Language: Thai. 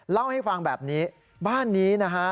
เล่าให้ฟังแบบนี้บ้านนี้นะฮะ